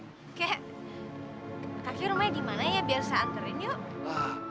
kakek kakek rumahnya dimana ya biar saya anterin yuk